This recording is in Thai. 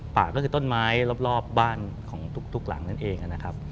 ป่าก็คือต้นไม้รอบบ้านของทุกหลังนั่นเองนะครับ